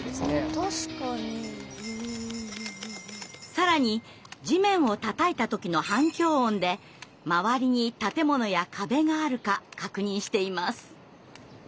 更に地面をたたいた時の反響音で周りに建物や壁があるか確認しています。